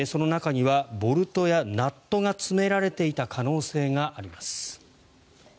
その中にはボルトやナットが詰められていた可能性があります。